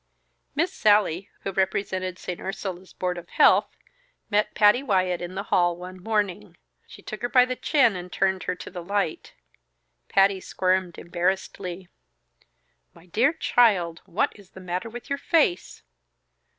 Miss Sallie, who represented St. Ursula's board of health, met Patty Wyatt in the hall one morning. She took her by the chin and turned her to the light. Patty squirmed embarrassedly. "My dear child! What is the matter with your face?"